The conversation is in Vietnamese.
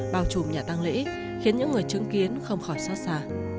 bao trùm nhà tăng lễ khiến những người chứng kiến không khỏi xót xa